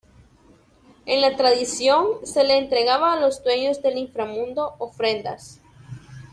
En la tradición, se le entregaba a los dueños del inframundo ofrendas.